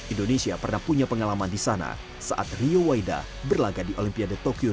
indonesia pernah punya pengalaman di sana saat rio waida berlagak di olimpiade terakhir